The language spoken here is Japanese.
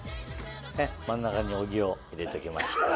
真ん中に小木を入れておきました。